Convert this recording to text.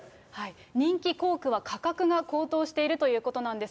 人気校区は価格が高騰しているということなんです。